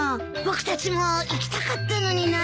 僕たちも行きたかったのにな。